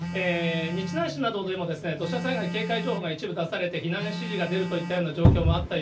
日南市などでも土砂災害警戒情報が一部出されて、避難指示が出るといったような状況です。